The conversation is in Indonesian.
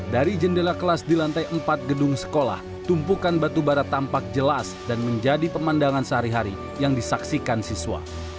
dari jendela kelas di lantai empat gedung sekolah tumpukan batubara tampak jelas dan menjadi pemandangan sehari hari yang disaksikan siswa